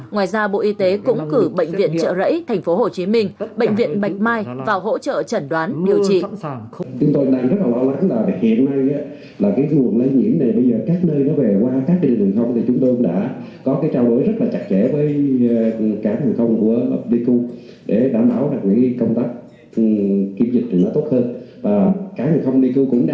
ngoài ra bộ y tế cũng cử bệnh viện chợ rẫy tp hcm bệnh viện bạch mai vào hỗ trợ chẩn đoán điều trị